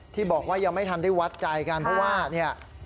ที่บอกว่ายังไม่ทันได้วัดใจกันเพราะว่าเนี่ย